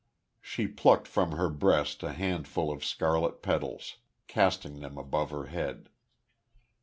She plucked from her breast a handful of scarlet petals, casting them above her head.